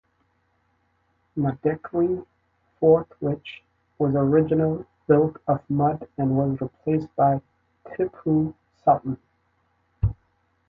Madikeri Fortwhich was original built of mud and was replaced by Tipu Sultan.